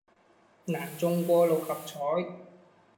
難中過六合彩